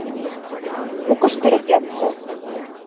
Уҡыштырып ятты.